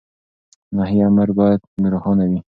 نهي امر بايد روښانه وي.